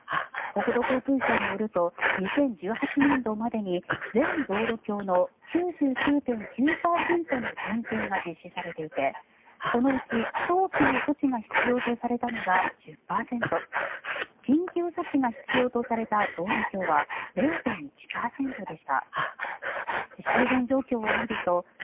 国土交通省によると２０１８年度までに全道路橋の９９．９％の点検が実施されていてそのうち早期の措置が必要とされたのが１０％緊急措置が必要とされた道路橋は０．１％でした。